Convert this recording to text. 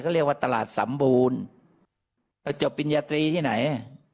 เขาเรียกว่าตลาดสมบูรณ์แล้วจบปริญญาตรีที่ไหน